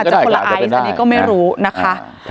จะคนละไอซ์อันนี้ก็ไม่รู้นะคะ